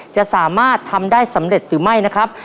จะสามารถทำได้สำเร็จหรือไม่นะครับ